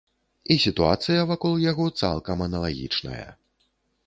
І сітуацыя вакол яго цалкам аналагічная.